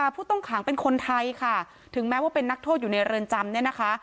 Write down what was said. ๖ผู้ต้องขังเป็นคนไทยถึงแม้ว่าเป็นนักโทษอยู่ในเรือนจำ